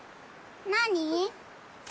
・何？